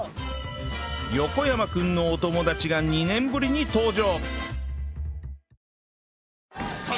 横山君のお友達が２年ぶりに登場！